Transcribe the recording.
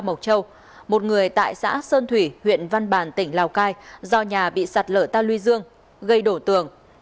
một người tại xã sơn thủy huyện văn bàn tỉnh lào cai do nhà bị sạt lở ta lui dương gây đổ tường